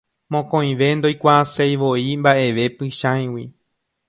Mokõive ndoikuaaseivoi mba'eve Pychãigui.